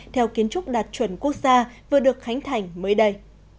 theo kiến trúc đạt chuẩn quốc gia vừa được khánh thành mới đây